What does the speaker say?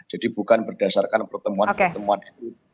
jadi bukan berdasarkan pertemuan pertemuan itu